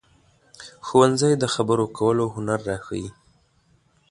ښوونځی د خبرو کولو هنر راښيي